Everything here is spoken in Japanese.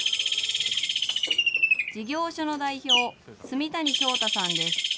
事業所の代表、住谷翔太さんです。